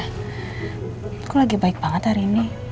aku lagi baik banget hari ini